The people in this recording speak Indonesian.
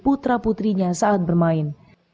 putra putrinya saat bermain